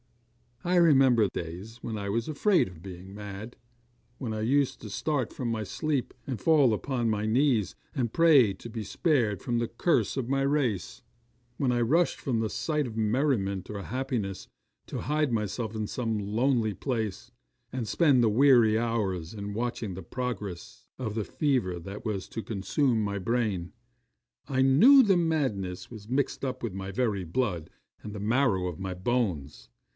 'I remember days when I was afraid of being mad; when I used to start from my sleep, and fall upon my knees, and pray to be spared from the curse of my race; when I rushed from the sight of merriment or happiness, to hide myself in some lonely place, and spend the weary hours in watching the progress of the fever that was to consume my brain. I knew that madness was mixed up with my very blood, and the marrow of my bones!